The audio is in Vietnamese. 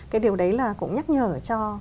cái điều đấy là cũng nhắc nhở cho